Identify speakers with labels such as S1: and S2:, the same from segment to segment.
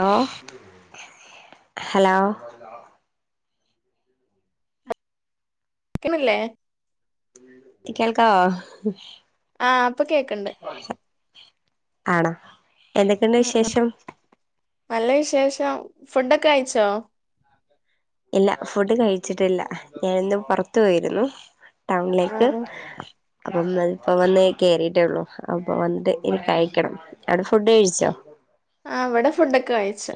S1: Law hello
S2: ക്ക്‌ണില്ലേ
S1: ത്തി കേൾക്കാവോ
S2: ആഹ് ഇപ്പ കേക്ക്ൺണ്ട്
S1: ആണൊ എന്തൊക്കെണ്ട്
S2: ആഹ് ആഹ്
S1: വിശേഷം
S2: നല്ല വിശേഷം ഫുഡ്ഡൊക്കഴ്ച്ചൊ
S1: ഇല്ല ഫുഡ് കഴിച്ചിട്ടില്ല ഞാനിന്ന് പൊർത്ത് പോയിരുന്നു ടൗൺലേക്ക്
S2: ആഹ്
S1: അപ്പം ഇന്നപ്പ വന്ന് കേറീട്ടെള്ളു അപ്പ വന്നിട്ട് ഇനി കഴിക്കണം അവിടെ ഫുഡ് കഴ്ച്ചൊ
S2: ആഹ് ഇവടെ ഫുഡ്ഡൊക്കയ്ച്ചു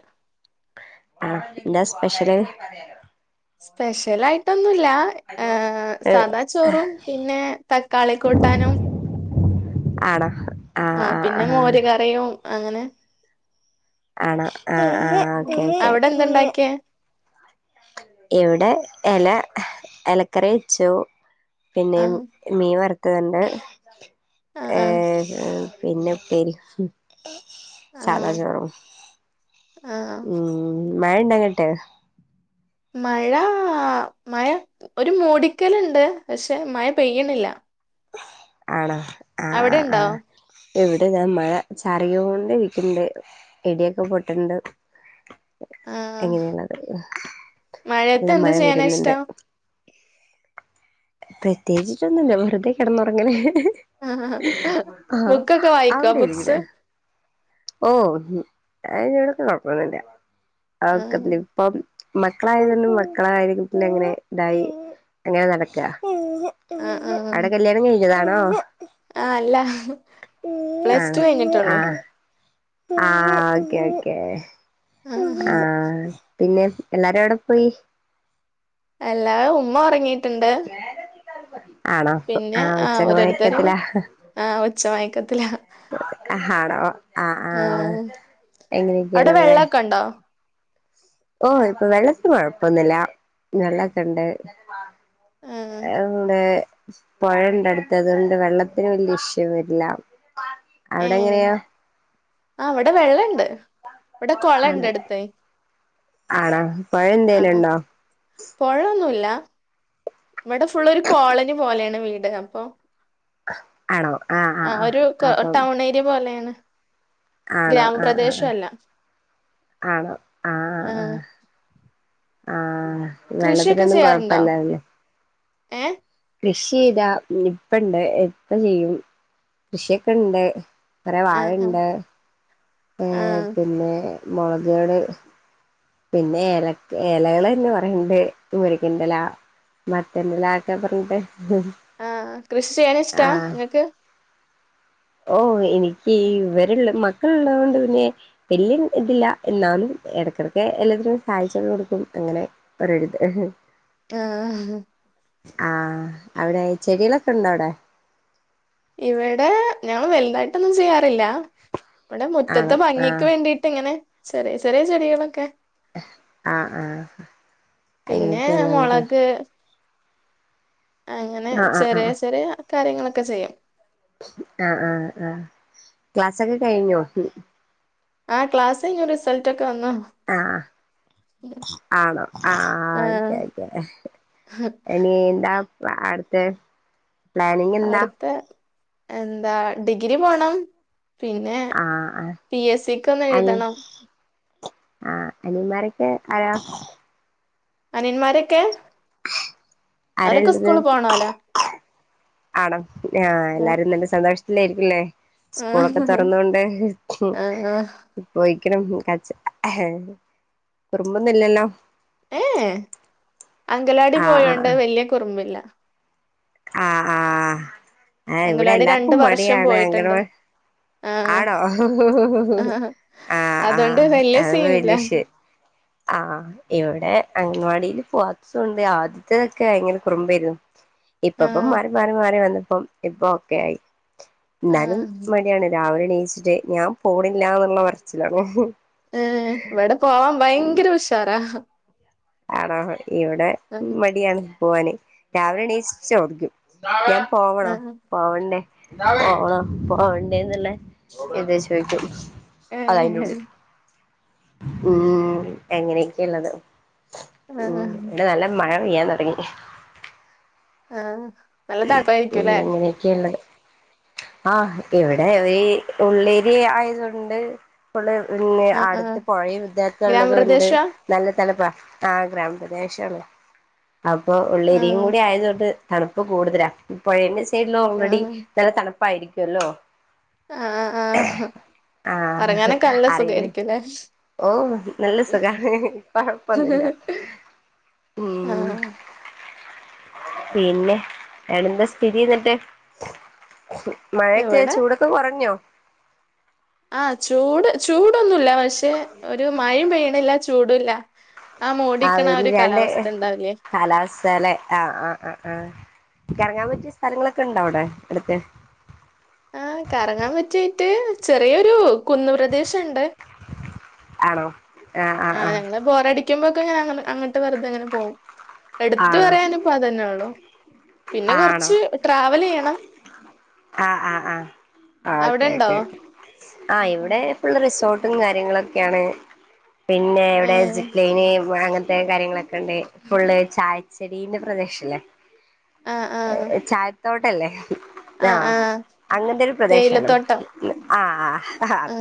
S1: ആഹ് ഇന്ത സ്പെഷ്യല്
S2: സ്പെഷ്യലായിട്ടൊന്നുല്ല ആഹ് സാദാ ചോറും പിന്നേ തക്കാളി കൂട്ടാനും
S1: ആണൊ?
S2: ആഹ് പിന്ന മോര് കറിയും അങ്ങനെ
S1: ആണൊ
S2: ഉം അവടെ എന്തണ്ടാക്ക്യേ
S1: എവിടെ എല എലക്കറി വച്ചു പിന്നെ ഉം
S2: ആഹ്
S1: മീൻ വറുത്തതുണ്ട്
S2: ആഹ് ആഹ്
S1: ഏഹ് ആഹ് പിന്നെപ്പേരി സാധാ
S2: ആഹ്
S1: ചോറും
S2: ആഹ്
S1: ഉം മഴ ഉണ്ടങ്ങട്ട്
S2: മഴ മഴ ഒരു മൂടിക്കലുണ്ട് പക്ഷെ മഴ പെയ്യണില്ല
S1: ആണാ ആഹ്
S2: അവിടെ ഉണ്ടോ
S1: ആഹ് ഇവിടെ ഞാ മഴ ചാറിയോണ്ട്നിക്കണ്ട് ഇടിയൊക്കെ പൊട്ട്ണ്ട്
S2: ആഹ്
S1: എങ്ങനെയുള്ളത്
S2: മഴയത്ത്
S1: നല്ല
S2: എന്ത്
S1: മഴ
S2: ചെയ്യാനാ
S1: വരുന്നുണ്ട്
S2: ഇഷ്ടം
S1: പ്രത്യേകിചൊന്നുംല്ല വെറുതെ കിടന്നുറങ്ങല്
S2: ആഹ്
S1: ആഹ്
S2: ബുക്കൊക്കെ വായിക്കോ
S1: അവിടെ
S2: ബുക്സ്
S1: എങ്ങനെ ഓഹ് അയിന് വ്ടൊക്കെ കൊഴപ്പൊന്നൂല്ല ആഹ് ഒക്കത്തിനും ഇപ്പം മക്കളായതോണ്ട് മക്കളകാര്യം പിന്നെ ഇങ്ങനെ ഇതായി അങ്ങനെ നടക്ക
S2: ആഹ് ആഹ്
S1: അവിടെ കല്യാണം കഴഞ്ഞതാണോ
S2: ആഹ് അല്ല പ്ലസ് ടു
S1: ആണോ
S2: കഴിഞ്ഞിട്ടൊ ള്ളൂ
S1: ആഹ് ആഹ് ഓക്കെ ഓക്കെ ആഹ് പിന്നെ എല്ലാരും എവിടെ പോയി?
S2: എല്ലാഉം ഉമ്മ ഉറങ്ങിയിട്ടുണ്ട്
S1: ആണോ
S2: പിന്നെ
S1: ആഹ് ഉച്ചക്ക്
S2: ഓരോരുത്തര് ഇങ്ങ
S1: മയക്കത്തിലാ
S2: ആഹ് ഉച്ചമയക്കത്തില
S1: ആണോ ആഹ് ആഹ്
S2: അവിടെ
S1: എങ്ങനെയൊക്കെയള്ളല്ലെ
S2: വെള്ളൊക്കെ ഉണ്ടോ
S1: ഓഹ് ഇപ്പൊ വെള്ളത്തിന് കൊഴപ്പൊന്നുല്ല വെള്ളൊക്കെണ്ട്
S2: ആഹ്
S1: എണ്ട് പുഴ ഉണ്ട് അടുത്തതുകൊണ്ട് വെള്ളത്തിന് വല്യേ ഇഷ്യു വരില്ല അവിടെ
S2: ഏഹ്
S1: എങ്ങനെയാ
S2: ആഹ് ഇവിടെ വെള്ളണ്ട് ഇവിടെ കൊളണ്ട്
S1: ആണ്
S2: അടുത്ത്
S1: ആണോ പുഴ എന്തേലും ഉണ്ടോ
S2: പുഴന്നൂല്ല ഇവിടെ ഫുള്ളൊരു കോളനി പോലെയാണ് വീട് അപ്പൊ
S1: ആണോ ആഹ് ആഹ് ആഹ് അപ്പം
S2: ദ് പോലെയാണ്
S1: ആണോ ആഹ്
S2: ഗ്രാമപ്രദേശം
S1: ആഹ്
S2: അല്ല
S1: ആഹ് ആണോ ആഹ് ആഹ് ആഹ്
S2: കൃഷിയൊക്കെ
S1: വെള്ളത്തിനൊന്നും
S2: ചെയ്യാറുണ്ടോ
S1: കൊഴപ്പല്ല അല്ലെ
S2: ഏഹ്
S1: കൃഷി താ നിപ്പണ്ട് ഇപ്പ ചെയ്യും കൃഷിയൊക്കെ ഇണ്ട് കുറെ വാഴ
S2: ആഹ് ആഹ്
S1: ഉണ്ട് ഏഹ്
S2: ആഹ്
S1: പിന്നെ മുളകേടി പിന്നെ എല എലകൾ തന്നെ കുറേണ്ട് മുരിങ്ങന്റെ ഇല മത്തന്നില ക്കെ പറഞ്ഞി ട്ട്
S2: ആഹ് കൃഷി ചെയ്യാൻ ഇഷ്ടാ നിങ്ങൾക്ക്
S1: ഓഹ് എനിക്ക് ഇവരുള്ള മക്കള് ഉള്ളത് കൊണ്ട് പിന്നെ വല്യ ഇതില്ല എന്നാലും ഇടക്കിടക്ക് എല്ലാത്തിനും സഹായിച്ചു കൊടുക്കും അങ്ങനെ [unintelligible]
S2: ആഹ് ഹ്
S1: ആഹ് അവിടെ ചെടികളൊക്കെ ഉണ്ടോ അവിടെ
S2: ഇവിടെ ഞങ്ങൾ വലുതായിട്ടൊന്നും ചെയ്യാറില്ല ഇവിടെ
S1: ആണോ
S2: മുറ്റത്തെ ഭംഗിക്ക്
S1: ആഹ്
S2: വേണ്ടിട്ട് ഇങ്ങനെ ചെറിയ ചെറിയ ചെടികളൊക്കെ
S1: ആഹ് ആഹ്
S2: പിന്നെ
S1: അങ്ങനെയൊക്കെയല്ലേ ഉള്ളത്
S2: മുളക് അങ്ങനെ
S1: ആഹ് ആഹ്
S2: ചെറിയ
S1: ആഹ്
S2: ചെറിയ കാര്യങ്ങളൊക്കെ ചെയ്യും
S1: ആഹ് ആഹ് ആഹ് ക്ലാസ്സൊക്കെ കഴിഞ്ഞോ
S2: ആഹ് ക്ലാസ് കഴിഞ്ഞു റിസൾട്ട് ഒക്കെ വന്നു
S1: ആഹ് ആണോ ആഹ് ഓക്കെ ഓക്കെ ഇനി എന്താ അട്ത്തെ
S2: അടുത്തെ എന്താ ഡിഗ്രി പോണം പിന്നെ
S1: ആഹ് ആഹ്
S2: പി എ സി ക്കൊന്ന്
S1: അനി
S2: എഴുതണം
S1: ആഹ് അനിയമാരൊക്കെ ആയാ?
S2: അനിയന്മാരെക്കെ?
S1: ആരാ
S2: അവരൊക്കെ
S1: ഉള്ളത്
S2: സ്കൂള് പോണോല
S1: ആണോ? ആഹ് എല്ലാരും നല്ല സന്തോഷത്തിലായിരിക്കുല്ലേ? സ്കൂളൊക്കെ
S2: ആഹ്
S1: തൊറന്നോണ്ട്
S2: ആഹ്
S1: പോയിരിക്ക്ണു കരച്ചി കുറുമ്പൊന്നുല്ലല്ലോ?
S2: ഏഹേ അങ്കലവാടി
S1: ആഹ്
S2: പോയോണ്ട്
S1: ആഹ്
S2: വല്ല്യ കുറുമ്പ് ല്ല
S1: ആഹ് ആഹ് ആ
S2: അങ്കലാടി രണ്ട്
S1: ഇവിടെല്ലാർക്കും
S2: വർഷം
S1: മടിയാണ്
S2: പോയിട്ടുണ്ട്
S1: അംഗനവാ
S2: ആഹ്
S1: ആണോ?
S2: ആഹ്
S1: ആഹ്
S2: അതുകൊണ്ട്
S1: ആഹ്
S2: വല്യ
S1: അഹൊണ്ട് വലിയ
S2: സീനില്ല
S1: വിഷ [inaudible] ആഹ് ഇവിടെ അംഗൻവാടിൽ പോവാത്തൊണ്ട് ആദ്യത്തെതൊക്കെ ഭയങ്കര കുറുമ്പേരുന്നു ഇപ്പപ്പം
S2: ആഹ്
S1: മാറി മാറി മാറി വന്നപ്പം ഇപ്പ ഒക്കെ ആയി എന്നാലും
S2: ആഹ്
S1: ആണ് രാവിലെ എണീച്ചിട്ട് ഞാൻ പോണില്ലാന്ന്ള്ള പറച്ചിലാണെ
S2: ഏഹ് ഇവടെ പോവാം ഭയങ്കരുഷാറാ
S1: ആണോ? ഇവടെ
S2: ആഹ്
S1: മടിയാണ് പോവാനാന് രാവിലെ എണിച്ചു ചോദിക്കും പോവണോ?
S2: ആഹ്
S1: പോവണ്ടേ? പോണോ പോണ്ടേന്ന്ള്ളെത് ചോദിക്കും
S2: ഏഹ്
S1: ഉം അങ്ങനെയൊക്കെള്ളത്
S2: ആഹ്
S1: ഉം ഇവടെ നല്ല മ മഴ പെയ്യാൻ തൊടങ്ങി
S2: ആഹ് നല്ല തണുപ്പായിരിക്കുംല്ലേ
S1: മെല്ലെങ്ങെനെ ക്കെള്ളെത് ആഹ് ഇവിടെയീ ഉള്ളേരിയ ആയത്കൊണ്ട് പിന്നെ
S2: ആഹ് ആഹ്
S1: അട്ത്ത് പൊഴയും ഇതൊക്കെള്ളത്കൊണ്ട്
S2: ഗ്രാമപ്രദേശാ
S1: നല്ല തണുപ്പാ ആഹ് ഗ്രാമപ്രദേഷാണ് അപ്പൊ ഉള്ളേരിയും
S2: ആഹ്
S1: കൂടി ആയതുകൊണ്ട് തണുപ്പ് കൂടുതലാ പൊഴേന്റെ സൈഡിലോൾറെഡി
S2: ആഹ്
S1: നല്ല തണുപ്പായിരിക്കുവല്ലോ?
S2: ആഹ് ആഹ്
S1: ആഹ്
S2: ഒറങ്ങാനൊക്കെ നല്ല
S1: അറിയില്ലേ
S2: സുഖായിരിക്കുല്ലേ?
S1: ഓഹ് നല്ല സുഖാ കൊഴപ്പൊന്നുല്ല ഉം
S2: ആഹ്
S1: പിന്നെ വേറെന്താ സ്ഥിതിന്ന്ട്ട് മഴൊക്കെ
S2: ഇവിടെ
S1: ചൂടൊ ക്കെ കൊറഞ്ഞോ?
S2: ആഹ് ചൂട് ചൂടൊന്നുല്ല പക്ഷെ ഒരു മഴയും പെയ്യണില്ല ചൂടുംല്ല ആഹ് മൂടിക്കണ ആഹൊരു കാലാവസ്ഥണ്ടാവില്ലേ?
S1: കാലാവസ്ഥാലെ ആഹ് ആഹ്ആ ആ കറങ്ങാൻ പറ്റിയ സ്ഥലങ്ങളൊക്കെണ്ടോവ്ടെ അടുത്ത്
S2: ആഹ് കറങ്ങാം പറ്റിയേറ്റ് ചെറിയൊരു കുന്നുപ്രദേശണ്ട്
S1: ആണോ? ആഹ് ആഹ് ആഹ
S2: ബോറടിക്കുമ്പോക്കെങ്ങനെ അങ്ങ അങ്ങട്ട് വെറ്തെങ്ങനെ പോവും
S1: ആണോ
S2: എട്ത്ത്പറയാനിപ്പതന്നെയൊള്ളു പിന്നെ
S1: ആണോ
S2: കൊറച്ച് ട്രാവലെയ്യണം
S1: ആഹ് ആഹ് ആഹ്
S2: അവിടെണ്ടോ
S1: ഓക്കെയോക്കെ ആഹ് ഇവിടെ ഫുള്ള് റിസോർട്ടും കാര്യങ്ങളൊക്കെയാണ് പിന്നെ
S2: ഏ
S1: ഇവടെ സിപ് ലൈന് അങ്ങൻത്തെ കാര്യങ്ങളൊക്കെണ്ട് ഫുള്ള് ചായച്ചെടീന്റെ പ്രദേശല്ലേ?
S2: ആ ആ
S1: ഏഹ് ചായത്തോട്ടല്ലേ?
S2: ആ
S1: ങ്ങാ
S2: ആ
S1: അങ്ങൻത്തൊരു പ്രദേശാണ്
S2: തേയിലത്തോട്ടം
S1: ആഹ് ഹ
S2: ആ
S1: അത്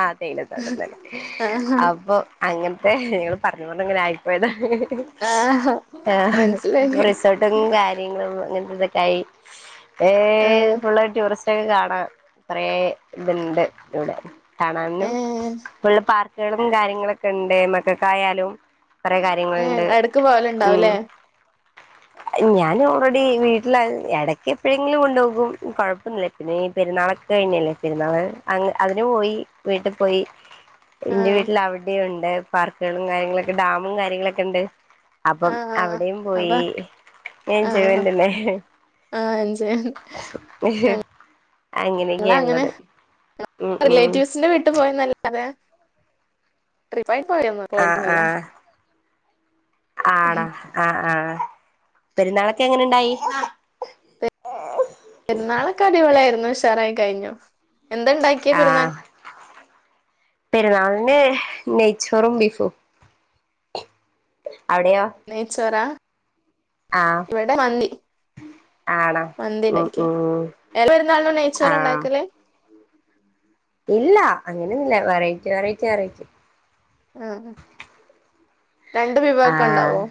S1: അഹ് തേയ്ലതോട്ടംത്തന്നെ
S2: ആ
S1: അങ്ങൻത്തെ ഞങ്ങള് പർഞ്പ്പർഞ്ങ്ങനെ ആയിപ്പോയതാ
S2: ആഹാ
S1: ആഹാ അപ്പൊ റിസോർ ട്ടും കാര്യങ്ങളും അങ്ങനത്തെതൊക്കായി
S2: ആ
S1: ഏഹ് ഫുള്ള് ടൂറിസ് റ്റൊക്ക കാണാ കൊറേ ഇത്ണ്ട് ഇവിടെ
S2: ഏ
S1: കാണാനും ഫുള്ള് പാർ ക്ക്കളും കാര്യങ്ങളൊക്കെണ്ട് മക്കക്കായാലും കൊറെ കാര്യങ്ങള്ണ്ട്
S2: ക്ക് പോവല്ണ്ടാവുലേ
S1: ഞൻ ഓൾ റെഡി വീട്ടിലാ എടക്ക് എപ്പോഴെങ്കിലും കൊണ്ടോകും കൊഴപ്പൊന്നില്ല പിന്നെയീ പെരുന്നാളൊക്കെ കഴിഞ്ഞില്ലേ പെരുന്നാള് അതിന് പോയി വീട്ടി പോയി
S2: ആ
S1: എന്റെ വീട്ടിൽ അവിടെയുംണ്ട് പാർക്കുകളും കാര്യങ്ങളൊക്കെ ഡാമും കാര്യങ്ങളൊക്കെണ്ട് അപ്പം
S2: ആ
S1: അവിടെയും
S2: അപ്പ
S1: പോയി ഏഹ്
S2: ആ
S1: എൻജോയ്മെന്റ് അല്ലേ
S2: ആ എൻജോയ് ഞങ്ങളങ്ങനെ
S1: അങ്ങനെയെക്കെയള്ളത്
S2: റിലേറ്റീവ്സിന്റെ വീട്ടിപോയന്നല്ലാതെ ട്രിപ്പായി പോയോന്ന
S1: ആഹ് ആഹ് ആടാ ആഹ് ആഹ് പെരുന്നാളൊക്കെ എങ്ങനെണ്ടായി?
S2: പെര്ന്നാളൊക്കെ അടിപൊളിയായിരുന്നു ഉഷാറായി കഴിഞ്ഞു എന്തെണ്ടാ
S1: ആഹ് പെരുന്നാൾന് നെയ്ച്ചോറും ബീഫും അവിടെയോ
S2: നെയ്ച്ചോറ
S1: ആഹ്
S2: ഇവടെ മന്തി
S1: ആണോ ഉം
S2: മന്തിണ്ടാക്ക്യ
S1: ഉം
S2: എല്ലാ പെര്ന്നാൾനും
S1: ആഹ്
S2: നെയ്ച്ചോറാണ്ടാക്കല്
S1: ഇല്ല അങ്ങനെന്നുല്ല വെറൈറ്റി വറൈറ്റി വെറൈറ്റി
S2: ആഹാ
S1: ആഹ്
S2: ഇണ്ടാവോ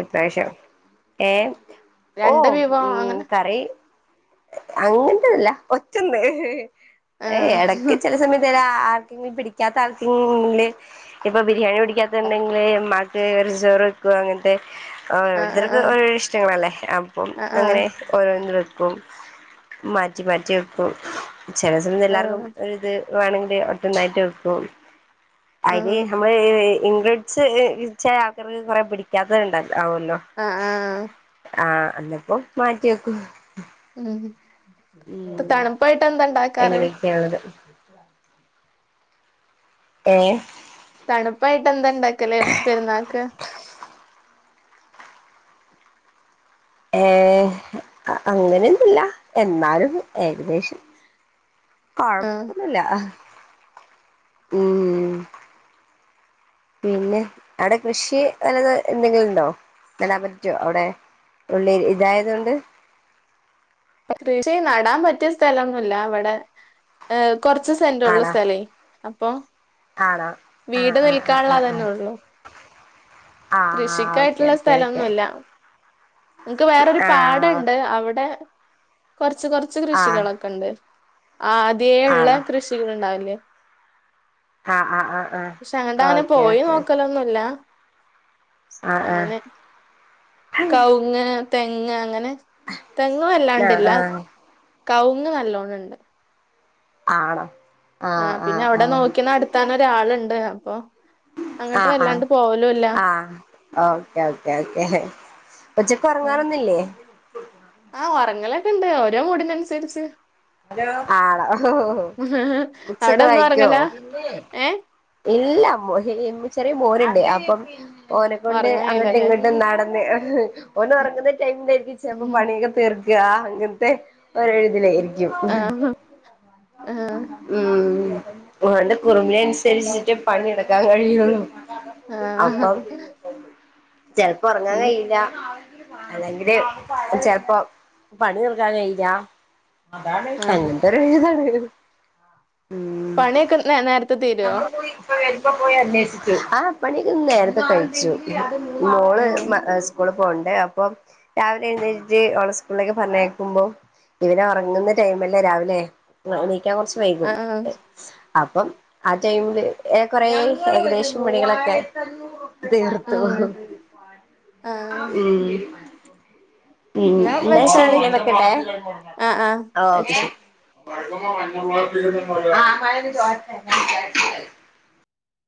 S1: എപ്രാശം ഏഹ്
S2: രണ്ട്
S1: ഓഹ്
S2: വിഭവം
S1: ഉം
S2: അങ്ങനെ
S1: കറി അങ്ങൻത്തെന്നല്ല ഒറ്റൊന്ന് ഏഹ് എടക്ക്
S2: ആഹ്
S1: ചെല സമയത്തെ ആ പിടിക്കാത്ത ആൾക്കിങ്ങ്ല് ഇപ്പൊ ബിരിയാണി പിടിക്കാത്തെണ്ടെങ്കില് വെറച്ചോറെക്കും അങ്ങൻത്തെ
S2: ആഹ്
S1: ഓരോരുത്തർക്ക്
S2: ആഹ്
S1: ഓരോ ഇഷ്ടങ്ങളല്ലേ അപ്പം
S2: ആഹ്
S1: അങ്ങനെ
S2: ആഹ്
S1: ഓരോന്നു വെക്കും മാറ്റി മാറ്റി വെക്കും ചെല സമ എല്ലാർക്കും ഒരിത് വേണങ്കില് ഒറ്റൊന്നായിറ്റ് വെക്കും
S2: ആഹ്
S1: അരി നമ്മള് ഇംഗ്രിട്സ് ക്ഷേ ആൾക്കറ് കുറെ പിടിക്കാത്തത്ണ്ടല്ലോ ആവല്ലോ
S2: ആഹ് ആഹ്
S1: ആഹ് അന്നപ്പം മാറ്റി വെക്കും
S2: ഉം
S1: ഉം
S2: ഇപ്പ തണുപ്പായിട്ടെന്തണ്ടാ
S1: എങ്ങനെയൊക്കെയണത് ഏഹ്
S2: തണുപ്പായിട്ടെന്താ ഇണ്ടാക്കല് പെരുന്നാക്ക്
S1: ഏഹ് അങ്ങനെയൊന്നുല്ല എന്നാലും ഏകദേശം
S2: ആഹ്
S1: കൊഴപ്പന്നുല്ല ഉം പിന്നെ അവ്ടെ കൃഷി വലത് എന്തെങ്കിലും ഉണ്ടോ നടാൻ പറ്റോ അവ്ടെ? ഉള്ളിൽ ഇതായതൊണ്ട്
S2: കൃഷി നടാൻ പറ്റ്യ സ്ഥലൊന്നും ഇല്ല ഇവടെ ഹ് കൊർച്ച് സെന്റോള്ളൂ
S1: ആണോ
S2: സ്ഥലേ അപ്പൊ
S1: ആണോ ആഹ് ആഹ്
S2: വീട്ന്നിൽക്കാള്ളതന്നെ
S1: ആഹ്
S2: ഒള്ളു. കൃഷിക്കായിട്ടുള്ള സ്ഥലന്നുല്ല ഇൻക്ക് വേറൊരു പാടണ്ട് അവ്ടെ കൊർച്ച് കൊർച്ച്
S1: ആഹ്
S2: കൃഷികളൊക്കെണ്ട് ആദ്യള്ള
S1: ആഹ് ആഹ്
S2: കൃഷികൾണ്ടാവില്ലേ. ഷെ അങ്ങട്ട അങ്ങനെ
S1: ഓക്കെ
S2: പോയി
S1: ഓക്കെ ഓക്കെ
S2: നൊക്കലൊന്നുല്ല.
S1: ആഹ്
S2: അങ്ങനെ കൗങ്ങ് തെങ്ങ് അങ്ങനെ തെങ്ങ്
S1: ഓ
S2: വല്ലാണ്ടില്ല
S1: ആഹ്
S2: കൗുങ്ങ് നല്ലോണം ഉണ്ട്
S1: ആണോ?
S2: ആഹ് പിന്നെ അവ്ടെ നോക്കിനടത്താനൊര് അള്ണ്ട് അപ്പൊ അങ്ങട്ട് വല്ലാണ്ട്
S1: ആഹ്
S2: പോവലൂല്ല.
S1: ആഹ് ആഹ് ഓക്കേ ഓക്കേ ഓക്കേ ഉച്ചക്കൊറങ്ങാറോന്നില്ലേ?
S2: ആഹ് ഒറങ്ങലൊക്കെണ്ട് ഓരോ മൂടിനനുസരിച്ച്.
S1: ആളോ ബുക്ക്സൊക്കെ
S2: അവിടെന്നും
S1: വായിക്കൊ?
S2: ഒറങ്ങലാ ഏഹ്
S1: ഇല്ല മോ ചെറിയെ ചെറിയ മോനുണ്ട് അപ്പം ഓനെക്കൊണ്ട്
S2: ഒറങ്ങാൻ
S1: അങ്ങട്ടും
S2: കഴിയില്ലല്ലേ?
S1: ഇങ്ങട്ടുംനടന്ന് ഓനൊറങ്ങുന്ന ടൈമിലായിര്ക്കും ചെൽപ്പോ
S2: ഉം
S1: പണികൾ തീർക്കാ അങ്ങൻത്തെ ഒര്ഴ്തിലായ്രിക്കും
S2: ആഹ് ആഹ്
S1: ഉം ഓന്റെ കുറുമ്പിനനുസരിച്ചിട്ടെ പണിെട്ക്കാൻ കഴിയൊള്ളു.
S2: ആഹ്
S1: അപ്പം ചെൽപ്പോ ഒർങ്ങാൻ
S2: ഉം
S1: കഴിയില്ല. അല്ലെങ്കില് ചെൽപ്പോ പണി തീർക്കാൻ കഴില്ലാ. അതാണ്
S2: ആഹ്
S1: അങ്ങൻത്തോരു ഇതാണ് ഉം
S2: പണിയൊക്കെ ന്നെ ന്നെരത്
S1: അനേഷിച്ചു ആഹ് പണിയൊക്ക്ന്ന് ന്നേരത്തെ കഴിച്ചു. മോള്
S2: ആഹ്
S1: മഅസ്കൂള് പോണ്ടേ അപ്പം രാവിലെ എഴുന്നേറ്റ് ഓളെ സ്കൂളിലെക്ക് പറഞ്ഞയക്കുമ്പോ ഇവനൊറങ്ങുന്ന ടൈമല്ലേ രാവിലെ ണോ ണീക്കാൻ കൊർച്ച് വൈകും
S2: ആഹ്
S1: അപ്പം ആഹ് ടൈമില് ഏഹ് കൊറെ ഏകദേശം പണികളൊക്കെ. തീർത്തു
S2: ഉം ആഹ്
S1: ഉം ഉം
S2: എന്നാ
S1: ഇന്നാ
S2: വെച്ചാളി
S1: ശെരിഞാൻ വെക്കെട്ടെ
S2: ആഹ്
S1: ആഹ് ഒക്കേ
S2: വെച്ചോ
S1: ശെരി [unintelligible] ആഹ് മായ്യൊന്ന് ചോരട്ടെ